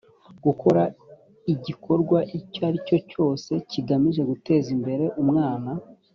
gukora igikorwa icyo ari cyo cyose kigamije guteza imbere umwana